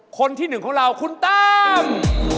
คนที่หนึ่งของเราคุณตั้ง